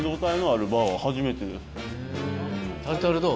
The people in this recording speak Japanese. タルタルどう？